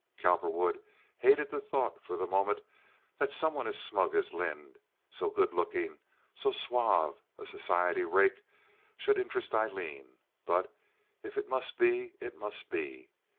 Cowperwood hated the thought for the moment that some one as smug as Lynde—so good looking, so suave a society rake—should interest Aileen; but if it must be, it must be.